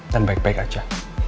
dan baik baik aja